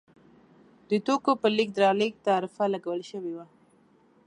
د توکو پر لېږد رالېږد تعرفه لګول شوې وه.